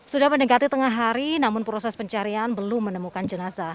sudah mendekati tengah hari namun proses pencarian belum menemukan jenazah